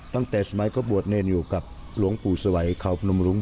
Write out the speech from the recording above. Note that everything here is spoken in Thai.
ตั้งแต่สมัยเขาบวชเนรอยู่กับหลวงปู่สวัยเขาพนมรุง